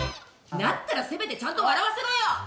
だったらせめてちゃんと笑わせろよ！